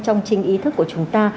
trong trình ý thức của chúng ta